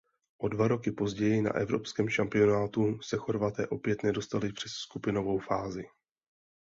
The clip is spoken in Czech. O dva roky později na evropském šampionátu se Chorvaté opět nedostali přes skupinovou fázi.